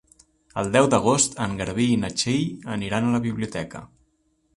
El deu d'agost en Garbí i na Txell aniran a la biblioteca.